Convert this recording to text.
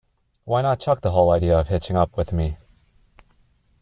Why not chuck the whole idea of hitching up with me?